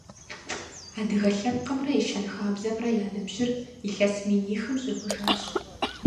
Адыгэ лъэпкъымрэ и щэнхабзэмрэ я ныбжьыр илъэс минихым щӏигъужащ.